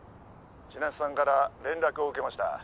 「ちなつさんから連絡を受けました」